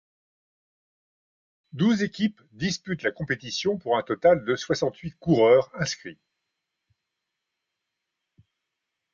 Douze équipes disputent la compétition pour un total de soixante-huit coureurs inscrits.